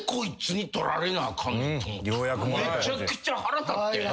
めちゃくちゃ腹立って。